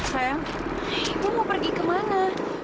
sayang ibu mau pergi kemana